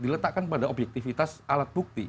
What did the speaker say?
diletakkan pada objektivitas alat bukti